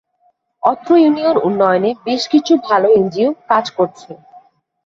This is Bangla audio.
অত্র ইউনিয়ন উন্নয়নে বেশ কিছু ভালো এনজিও কাজ করছে।